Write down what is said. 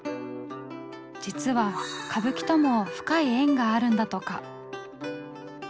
実は歌舞伎とも深い縁があるんだとか。